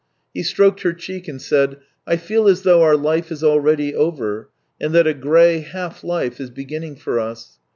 He stroked her cheek and said: " I feel as though our life is already over, and that a grey half life is beginning for us.